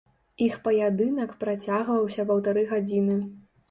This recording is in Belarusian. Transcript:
Іх паядынак працягваўся паўтары гадзіны.